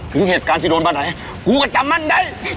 ถึงเหตุการณ์ที่โดนไปไหนกูก็จัดการมันได้